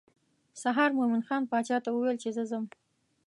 سهار مومن خان باچا ته وویل چې زه ځم.